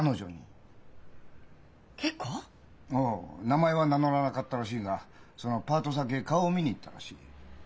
名前は名乗らなかったらしいがそのパート先へ顔を見に行ったらしい。